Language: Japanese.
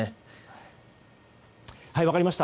分かりました。